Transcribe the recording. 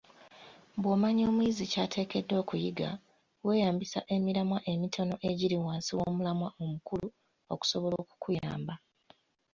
Bw’omanya omuyizi ky’ateekeddwa okuyiga, weeyambisa emiramwa emitono egiri wansi w’omulamwa omukulu okusobola okukuyamba